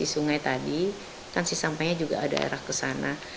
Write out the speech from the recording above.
di sungai tadi kan si sampahnya juga ada arah ke sana